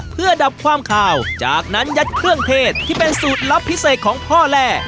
เพื่อดับความขาวจากนั้นยัดเครื่องเทศที่เป็นสูตรลับพิเศษของพ่อแร่